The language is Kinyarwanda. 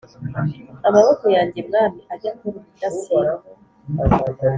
Amaboko yanjye mwami ajye akora ubudasiba